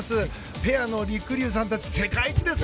ペアのりくりゅうさんたち世界一です！